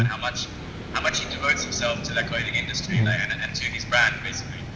dan berapa banyak dia berterima kasih ke industri kain dan brandnya